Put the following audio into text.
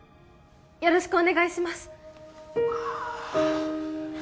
よろしくお願いしますああ